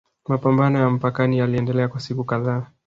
Mapambano ya mpakani yaliendelea kwa siku kadhaa